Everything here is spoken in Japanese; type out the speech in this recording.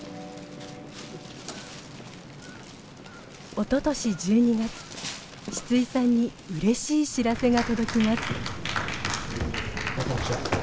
おととし１２月シツイさんにうれしい知らせが届きます。